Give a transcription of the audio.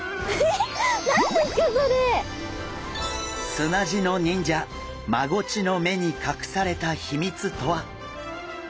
砂地の忍者マゴチの目に隠された秘密とは！？